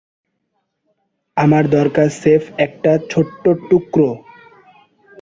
আমার দরকার স্রেফ একটা ছোট্ট টুকরো।